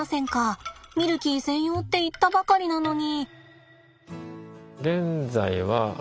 ミルキー専用って言ったばかりなのに。